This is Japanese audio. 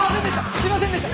すいませんでした！